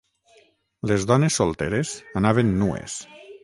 Les dones solteres anaven nues.